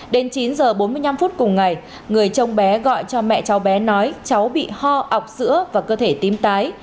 đến chín h bốn mươi năm phút cùng ngày người chồng bé gọi cho mẹ cháu bé nói cháu bị ho ọc sữa và cơ thể tím tái